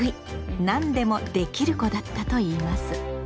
何でも「できる子」だったといいます。